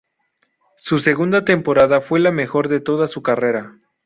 Su segunda temporada fue la mejor de toda su carrera.